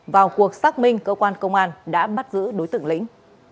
vào cuộc xác minh cơ quan công an đã bắt giữ đối tượng lĩnh